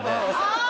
あ